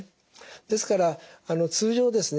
ですから通常ですね